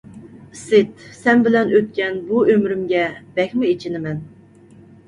ئىسىت، سەن بىلەن ئۆتكەن بۇ ئۆمرۈمگە بەكمۇ ئېچىنىمەن...